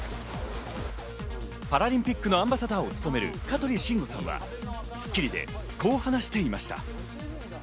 パラリンピックのアンバサダーを務める香取慎吾さんは『スッキリ』でこう話していました。